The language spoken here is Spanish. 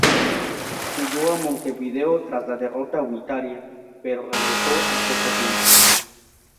Huyó a Montevideo tras la derrota unitaria, pero regresó al poco tiempo.